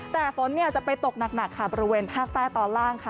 แต่ฝนจะไปตกหนักค่ะบริเวณภาคใต้ตอนล่างค่ะ